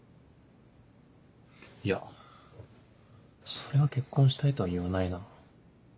いやそれは結婚したいとはいわないな。